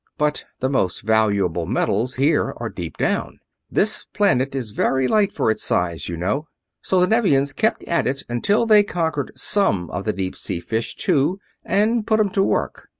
But the most valuable metals here are deep down this planet is very light for its size, you know so the Nevians kept at it until they conquered some of the deep sea fish, too, and put 'em to work.